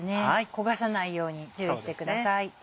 焦がさないように注意してください。